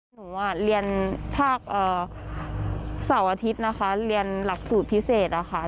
หนูเรียนภาคเสาร์อาทิตย์นะคะเรียนหลักสูตรพิเศษอะค่ะ